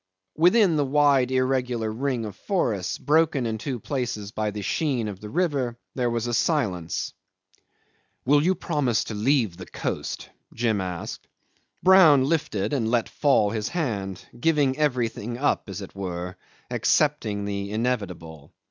Within the wide irregular ring of forests, broken in two places by the sheen of the river, there was a silence. "Will you promise to leave the coast?" Jim asked. Brown lifted and let fall his hand, giving everything up as it were accepting the inevitable.